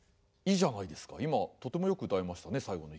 今とてもよく謡えましたね最後の一句。